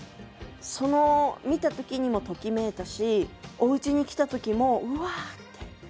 その見たときにもときめいたしおうちに来たときもうわってときめいてる。